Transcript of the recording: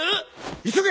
急げ！